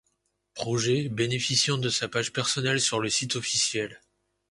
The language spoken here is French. Project, bénéficiant de sa page personnelle sur le site officiel.